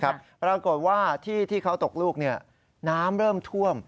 ปรากฏว่าที่ที่เขาตกลูกน้ำเริ่มท่วม